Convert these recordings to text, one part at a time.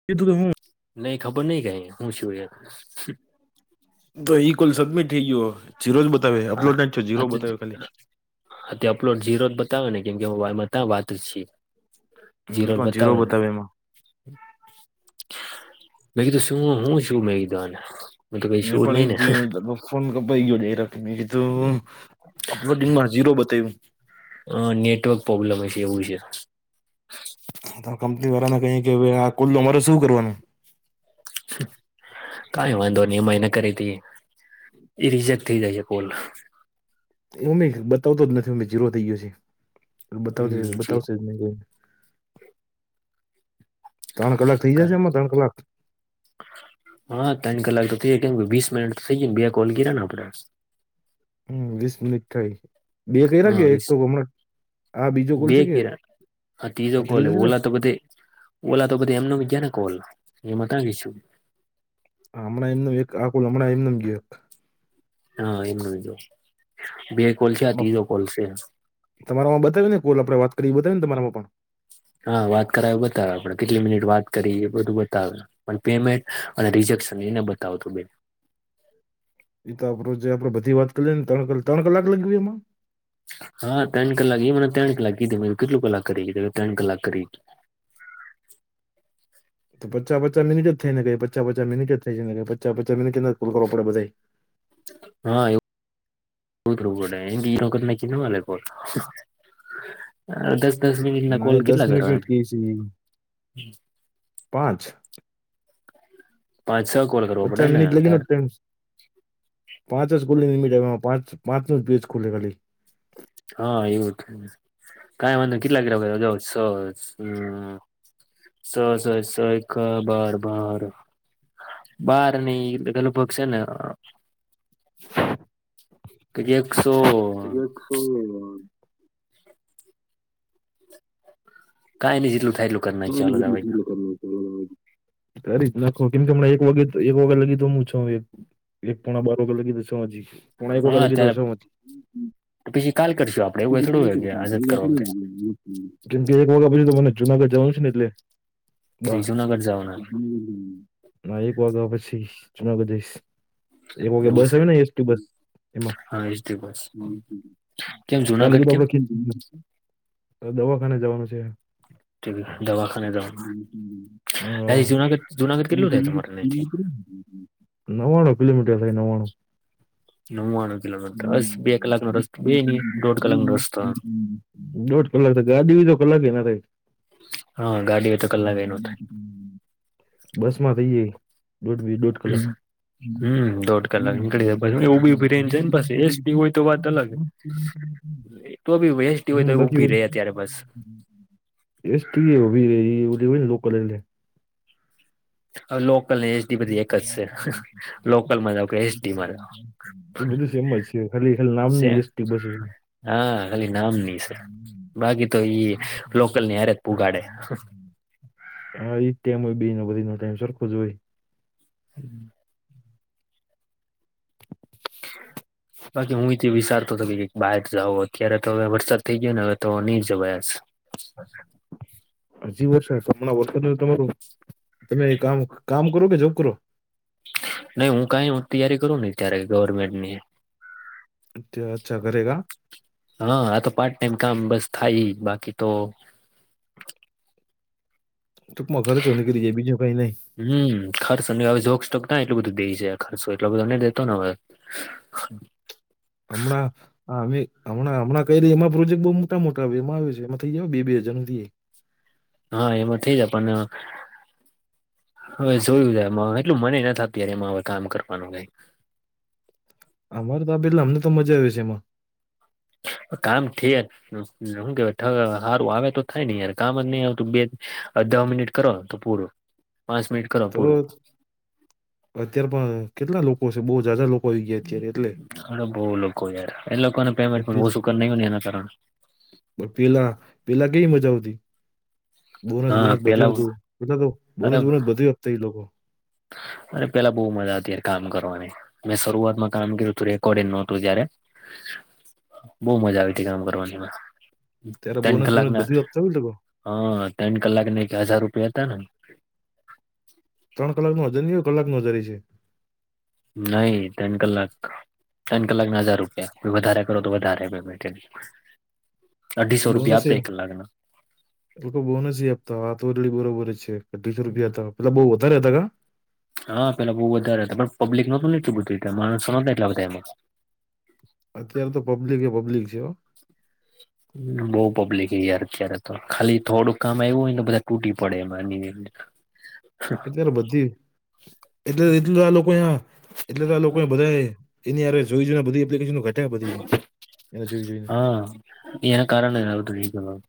[unintelligible] નહી ખબર નહી કઈ હું શું. તો ઈ કોલ સબમિટ થઈ ગયો. જીરો જ બતાવે અપલોડ ના આ જીરો તો બતાવે ખાલી. હા, તે અપલોડ ઝીરો જ બતાવે ને કેમ [unintelligible] ત્યાં વાત જ છીએ. જીરોજ હમ જીરો બતાવે. એમાં મે કીધું શું હું છું મે કીધું તો આને તો કઈ મે શું પણ નહી ને? એજ ફોન કપાઈ [unintelligible] મે કીધું અપલોડિંગ માં જીરો બતાવું. અ નેટવર્ક પ્રોબ્લેમ હશે એવું છે. કંપની વાળાને કહી કે, આ કુલ્લો મારે શું કરવાનુ? કઈ વાંધો નહી એ મને કરી હતી એ રિજેક્ટ થઈ જાય છે કોલ. એવું નહી બતાવતો જ નથી અ જીરો થઈ ગયો છે બતાવતો હમ જી બતાવશે [unintelligible] ત્રણ કલાક થઇ જાયશે કાંઈ એમાં ત્રણ કલાક? હા ત્રન કલાક તો થઈ ગયા કેમ કે વીસ મિનિટ થઇ જાય ને બે કોલ કર્યા ને આપડે. હમ વીસ મિનિટ થઈ બે કઈ હા રાખે એક વીસ તો હમણાં. આ બીજો કોલ બે છે કે કરાય આ ત્રીજો કોલે ઓલા તો બધે ઓલા તો બધી એમને એમ ગયા ને કોલ એ મતાવીશું. હમણાં એમ એક આખું હમણાં એમ એક ગયા. હા એમનું બે કોલ થયા આ ત્રીજો કોલ છે. તમારામાં બતાવી ને કોુલ આપણે વાત કરી બતાવી ને તમારામાં પણ. હા વાત કરાવું બતાવે આપડે કેટલી મિનિટ વાત કરી એ બધું બતાવે. પણ પેમેન્ટ અને રિજેક્શન એને બતાવ તો બેન. એ તો આપ રોજે આપડે બધી વાત કરીએ ને ત્રણ કલાક લગી હોય એમાં. હા ત્રણ કલાક એ મને ત્રણ કલાક કીધું કેટલું કલાક કરી કીધું ત્રણ કલાક કરી. તો પચા પચા મિનટ જઈ ને કઈ પચ પચાસ મિનટ જ થાય છેને પચા પચા મિનટ કોલ કરવા પડે બધા એ. હા એવું [unintelligible] દસ મિનિટ ના કોલ એ દસ કેટલા મિનિટ જ કરવા? કહે છે ઈ. પાંચ. પાંચ, છ કોલ કરવો પડે પંચા ને મિનિટ લગીને તાર તેમ પાંચ જ [unintelligible] પાંચ પાંચ કોલ હે ખાલી. હા એવું કાઈ વાંધો કેટલા કે સર હમ સો, સો, સો એક બાર, બાર બાર નહીં પેલું ભગ છે ને [inaudible] [unintelligible] એકસો હમ. કાઈ નહીં જેટલું થાય એટલું કરી [inaudible] તો નાખીએ ચાલો કરી જ નાખો કેમ કે હમણાં એક વાગ એક વાગ લગી તો હું છું પોણા બાર લગી છું હજી પોણા એક હા લગી ત્યારે છું. તો પછી કાલ કરશું આપડે એવું થોડું હોય કે આજ જ કરવા બધા [inaudible] જેમ કે એક વાગ્યા પછી તો મને જુનાગઢ જવાનું છે ને એટલે જુનાગઢ જવાના [inaudible] ના એક વાગ્યા પછી જુનાગઢ જઈશ એક વાગે એવું બસ છે આવે ને એસટી બસ. એમાં હા એજ તે બસ કેમ [inaudible] ક લ કે જુનાગઢ ત કેમ આપ કાલ દવાખાને જવાનું છે. દવાખાને જવાનું હા. જુનાગઢ જુનાગઢ કેટલું થાય તમારે અહીંથી નવાણુ કિલોમીટર થાય નવાણુ. નવ્વાણું હ કિલોમીટર બસ બે કલાકનો હ રસ્તો બે હ નહી હ દોઢ હમ હ હમ કલાકનો રસ્તો હમ દોઢ કલાક થી ગાડી ને બીજો કલાક એ ના થાય. હા ગાડી એ તો કલાક એ ન થાય. બસ માં બઈ જઈ દોઢ બે દોઢ થાય કલાક. હમ દોઢ કલાક નીકળી જાય પછે ઉભી ઉભી રે ને છે ને પછી એસટી હોય તો વાત અલગ. તો ભી એસ્ટી હોય હમ તો બાકી ઉભી રે અત્યારે બસ. એસટી બી ઉભી રે ઇ ઓલુ હેને લોકલ ને. હવે લોકલ ને એસટી બધી એક જ છે લોકલમાં જાવ કે એસડી માં જાવ. એ બધું સેમજ છે ખાલી ખાલી નામ ન છે એસટી બસ હે. હા ખાલી નામ ની સે બાકી તો ઈ લોકલ ની હારે પોઘાડે. હા ઇ ટેમ હોય બીજી ને બધી નો ટાઈમ સરખો જ હોય. હમ પાછો હું ઈજ. વિસારતો તો મેં એક બહાર જાવો અત્યારે તો હવે વરસાદ થઈ ગયો ને હવે તો નહી જવાય. અચ [inaudible] હજીબ છે [inaudible] હણા વસ્તુ તમારું તમે કામ કામ કરો કે જબ કરો નઈ હું કઈ હું તૈયારી કરું નહી અત્યારે ગવર્મેન્ટ ની. અચ્છા અચ્છા કરેગા. હા આ તો પાર્ટ ટાઈમ કામ બસ થાય બાકી તો. ટૂંકમાં ઘરે જેવુ નીકળી જાય બીજું કઈ નહીં. હમ્મ ખર્ચ હવે જોક સ્ટોક ના એટું બધું દેઈ જાય ખર્ચો એટલો બધો દેતો ને હવે. [inaudible] અમણાં. હા અમે હમણા હમણાં કયરા એમા પ્રોજેક્ટ બહુ મોટા મોટા આવે એમાં આવે છે એમાં થઈ જ બે હજાર નૂ થઈ. હા એમાં થઇ જાય પણ. હવે જોયું જાય મ એટલું મને નથી અત્યારે એમાં હવે કામ કરવાનું કઈ. અમારે તો પેલા અમને તો મજા આવે છે એમાં. કામ [unintelligible] શું કેવાય ઠ હારું આવે તો થાય નઈ યાર કામ જ નહીં આવતું બે ઘ મિનિટ. કરો તો પૂરો પાંચ મિનિટ કરો તો પુરું અત્યારે પણ કેટલા લોકો છે, બહુ જાજા લોક. [unintelligible] હાડો બહુ લોકો યાર એ લોકોને પેમેન્ટ પણ ઓછું કર ના હોય ને એના કારણે બ પેલા પેલા કેવી મજા આવતી. બોનસ હા બોનસ બધું પેલા આવતુ એટલે તો અરે બોનસ બોનસ બધે આપતા એ લોકો. અરે પેલા બહુ મજા આવતી હારે કામ કરવાની. મેં શરૂઆતમાં કામ કર્યું તું રેકોર્ડિંગ નુ હતું ત્યારે [inaudible] બહુ મજા આવી તી કામ કરવાની એમાં ત્યારે તન બોનસ કલાક બોનસ ના. બધું આપતા હોય એ લોકો હા ત્રણ કલાક ને એક હજાર રૂપિયા હતા ને? ત્રણ કલાક નો હજાર ની હોએ કલાક નો હજાર છે. નહી ત્રણ કલાક. ત્રણ કલાક ના હજાર રૂપિયા, વધારે કરો તો વધારે પેમેન્ટ એમ. અઢીસો રૂપિયા બોનસ એ આપે એક કલાકના લોકો બોનસ એ આપતા હાથ [unintelligible] બરોબર છે. વીસ રૂપિયા હતા મતલબ બહુ વધારે હતા કા હા પેલા બહું વધારે હતા. પણ પબ્લિક નહીં લેતું [unintelligible] એટલા બધા એમાં અત્યારે તો પબ્લિક એ પબ્લિક છે. [inaudible] બઉ પબ્લિક યાર અત્યારે તો ખાલી થોડુંક કામ આવ્યું હોય ને બધા તૂટી પડે એ માંની અત્યારે બધી એટલે એટલું આ લોકો અહીંયા એટલે તો આ લોકોને બધા એની જોઈ જોઈને બધી એપ્લિકેશન [unintelligible] બધી એ જો જોઈને. હા. એના કારણે આવું થાય છે હા.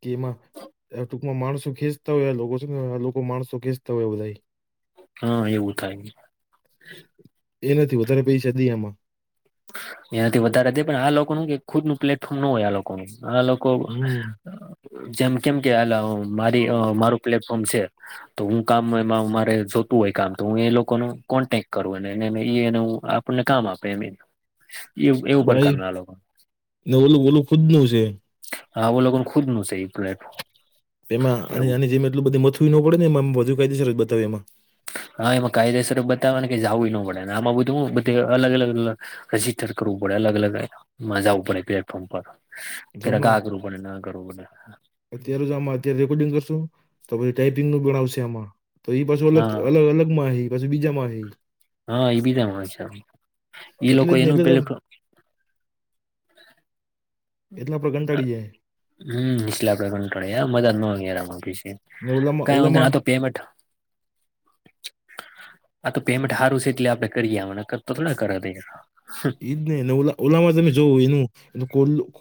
કેમાં? આ ટૂંકમાં માણસો ખેંચતા હોય એ લોકો છે લોકો માણસો ખેચતા હોય બધા હા એવું થાય છે. એનાથી વધારે પૈસા જોઈએ આમાં એનાથી વધારે દે પણ આ લોકોનું ખુદ નું પ્લેટફોર્મ નો હોય આ લોકોનું આ લોકો હમ જેમ કેમ કે મારી મારું પ્લેટફોર્મ છે. તો હું કામ એમાં મારે જોતું હોય કામ તો હું એ લોકો નુ કોન્ટેક કરવું અને એ એનું આપણને કામ આપે એ એવું એવું કામ ભાઈ ના લોકો ને ઓલું બોલું ખુદ નુ છે. હા આવો લોકોનું ખુદ નું છે એ પ્લેટ. [unintelligible] જેમાં એની જેમ એટલું બધું મથવું નો પડે ને એમ વધુ કાયદેસર બતાવે એમાં. હા એમાં કાયદેસર બતાવાને કે જવું ના પડે આમાં બધું બધ અલગ અલગ રજીસ્ટ્રેશન કરવું પડે અલગ અલગ માં જાવું પડે પ્લેટફોર્મ પર. જો [unintelligible] હમણાં આ કરવું પડે ને આ કરવું પડે અત્યારે જ આમાં અત્યારે રેકોર્ડિંગ કરશું તો પછી ટાઈપિંગ નું પણ આવશે આમાં. તો એ પાછું અલગ હા અલગ અલગ માં છે એ પાછું બીજામાં છે. હા એ બીજામાં છે એ એટલે લોકો જ ને એનું એટલે જ પેલુ આપ- એટલે આપણે કંટાળી જાય. હમ્મ એટલે આપડે કંટાળી મજા ન મેળ તો ને કાઈ વાધો તો પેમેન્ટ હ આ તો પેમેન્ટ સારું છે એટલે આપડણે કરીએ હમણાં નકતો થોડા કરત હમ્મ ઈ જ નને ઓલ્લામાં તમે જોઓ એનું એક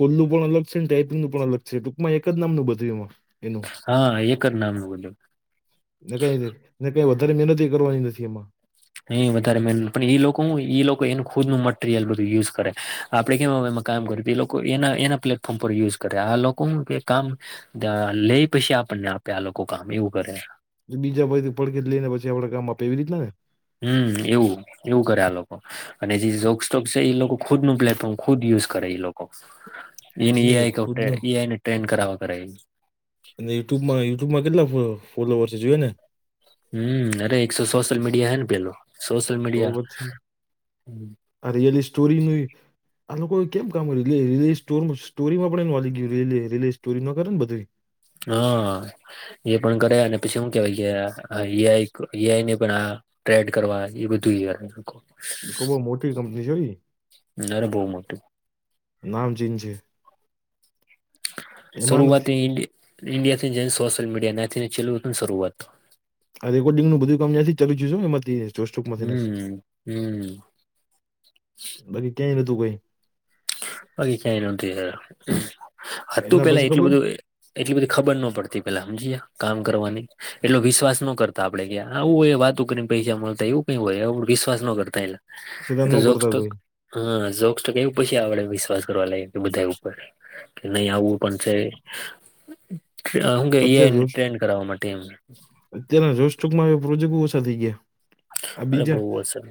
ઓલ્લું પણ અલગ છે ને ટાઈપિંગનું પણ અલગ છે ટૂકમાં એક જ નામનું બધું એમાં એનું હા એક જ નામનુ બધું ને કઈને કઈ વધારે મહેનત કરવાની નથી એમાં એ વધારે મહેનત પણ એ લોકો હું લોકો એનું ખુદનું મટીરિયલ બધું યુઝ કરે આપણે કેમ એમાં કામ કર્યું એ લોકો એના એના પ્લેટફોર્મ પર યુઝ કરે આ લોકો હું કે કામ ત્યાં લઈ પછી આપણને આપે આ લોકો કામ એવું કરે બીજા ભાઈથી પડે જ લઈ ને પછી આપે કામ આપે એવી રીતના ને હમ્મ એવું એવું કરે આ લોકો અને જે જોક સોક છે એ લોકો ખુદ નું પ્લેટફોર્મ ખુદ યુઝ કરે એ લોકો એની ને એઆઈ ખુદનો ટ્રેન્ડ ઈઆઈ ને ટ્રેન કરાવવા કરે. અને યુટ્યુબમાં યુટ્યુબમાં કેટલા ફોલોવર છે જોયું ને હમ્મ અરે એકસો સોશલ મીડિયા હે ને પેલો સોશીયલ તો મીડિયા પછી આ રિયલી સ્ટોરી નુ આ લોકો કેમ કામ રિયલી સ્ટોરીમાં પણ એનું હાલી ગયું સ્ટોરી ન કરેને બધું હા. એ પણ કરે અને પછી શું કેવાય એ આઈ એ આઈ ની પણ આ ટ્રેડ કરવા એ બધું એ આઈ નું કામ કઉ બહું મોટી કંપની છે ઈ કરે. અરે બહુ મોટું નામ ચીન છે એમાં શરૂઆત નથી ઇન્ડી ઇન્ડિયા થી જ સોશિયલ મીડિયા નાથી છેલુ હતું ને શરૂઆત આ રેકોડિગનું બધું કામ અહીંયા થી ચાલું જઈ એમાં જોસ હમ્મ હમ્મ. [unintelligible] બાકી ક્યાંય નતું કઈ બાકી ક્યાંય નતુ યાર આ તું એના પછી પેલા એટલું ખબર બધું એટલી બધી ખબર ન પડતી પેલા હમજી ગયા કામ કરવાની એટલો વિશ્વાસ ન કરતા આપડે કે આવું હોય વાતું કરીને પૈસા મળતા એવું કઈ હોય વિશ્વાસ ન કરતા એલા પેલા એ તો ન કરતા જોક્સ્ટોક કોઈ હા જોક્સ્ટોક એવું પછી આવડે વિશ્વાસ કરવા લાગ કે બધા ઉપર કે નહી આવું પણ છે. હું કેને ટ્રેન કર માટે એમ અત્યારે જો સ્ટોકમાં પ્રોજેક્ટ ઓછા થઈ ગયા આ અરે બીજા બહુ અસર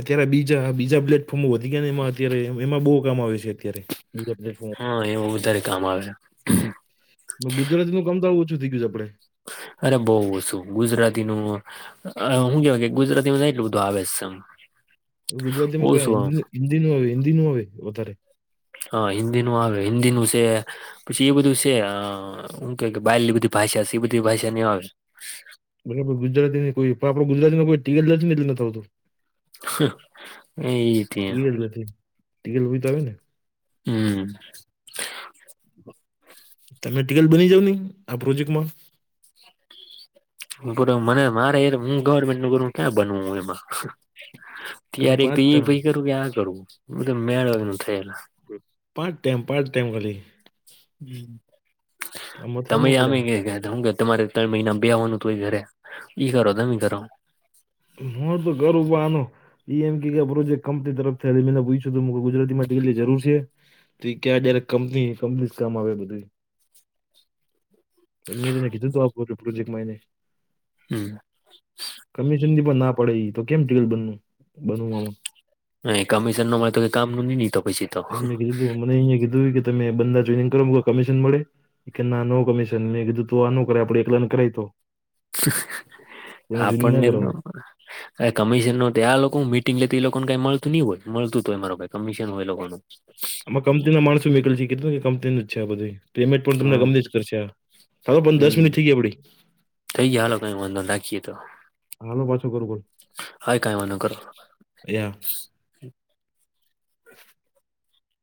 અત્યારે બીજા બીજા પ્લેટફોર્મો વધી ગયા ને એમાં અત્યારે એમાં બો કામ આવે છે, અત્યારે બીજા પ હા એવું વધારે કામ આવે હે ગુજરાતીનું કામ તો આવું ઓછું થઈ ગયું છે, આપડે અરે બઉ ઓછુ ગુજરાતીનુ હું કેવાય કે ગુજરાતીમાં એટલું બધું આવે સમ ગુજરાતી માં કયા હિન્દી ન હવે હિન્દી ન આવે વધારે હા હિન્દીનુ આવે હિન્દીનું છે. પછી એ બધું છે, હું કે કે બાયલની બધી ભાષા છે, એ બધી ભાષા નહીં આવે બરાબર ગુજરાતી કોઈ પણ આપડો ગુજરાતી કોઈ ટિકિટ જને એટલે આવતું. એ ત્યાં ટીલ ટીલ તો આવે ને હમ. તમે ટિકલ બની જાવ ની આ પ્રોજેક્ટમાં હ બરા મને મારે હું ગવર્મેન્ટ નું ગર ક્યાં બનવું એમાં. ખાલી ત્યારે એક તો પાંચ એ ટાઈમ ભાઈ કરવું કે આ કરવું બધ મેળવાનું થયેલા. પાંટ ટાઈમ પાંટ ટાઈમ વાલી આ મથવું ન તમેય પડે આમે એમ કે કે હુંત તમારે ત્રણ મહિના બે હોવાનું હતું હોય ઘરે ઈ કરો તમે કરો હુ તો ગરબાનું એ એમ કે કે કંપની તરફથીયેલી મેને પૂછું ગુજરાતીમાંગ્રીલી જરૂર છે. તી ક્યાં ડાય્યારેક કંપની કંપની કામ આવે બધી મે તને કીધુ આ પ્રોજેક્ટ એને હમ. કમિશનથી પણ ના પડે તો કેમયલ બ બનવુ. હે કમિશન નો મળે તો કે કામનુ ની તો પછી તો એ મેં કીધું મને અં કીધું કે તમે બને ટનિંગ કરો કમિશન મળે કે ના નો કમિશન કીધું તું આ ન કરે આપડ એકલાને કરાય તો કોઈને જોઈનિંગ ના આપને કરાવ કમિશન ન આ લોકો મિટિંગ લેતી એ લોકોને કઈ મળતું નહ હોય મળતું તો હોય મા કમિશન હોય લોકો નુ. આમાં કંપનીના માણસો નીકળલ છે, કીધું કે કંપની ન જ છે, આ બધું પેમેન્ટ પણ તમને હમ ગમતી જ કરશે ચાલો પણ દસ મિનિટ થઈ ગઈ આપડી થઈ ગયા હાલો કઈ વાંધો નાખીએ તો હાલો પાછો કરો કોલ હા કઈ વાંધો કરો યા